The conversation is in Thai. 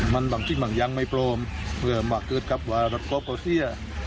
มันบางชิ้นบางอย่างไม่โปร่มเพื่อมาเกิดกับว่ารักษ์ครอบครัวเสีย